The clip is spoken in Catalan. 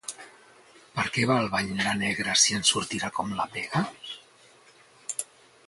Per què va al bany la negra si en sortirà com la pega?